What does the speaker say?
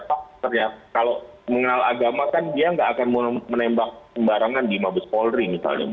kalau mengenal agama kan dia nggak akan menembak pembarangan di mabes polri misalnya